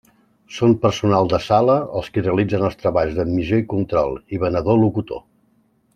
Són personal de sala els qui realitzen els treballs d'admissió i control, i venedor-locutor.